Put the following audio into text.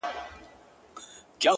خير دی . دى كه اوسيدونكى ستا د ښار دى.